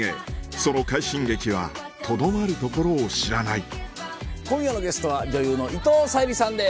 その快進撃はとどまるところを知らない今夜のゲストは女優の伊藤沙莉さんです。